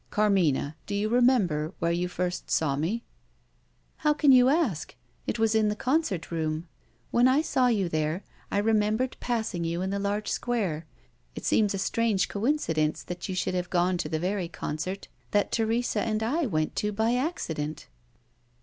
"Carmina, do you remember where you first saw me?" "How can you ask? it was in the concert room. When I saw you there, I remembered passing you in the large Square. It seems a strange coincidence that you should have gone to the very concert that Teresa and I went to by accident."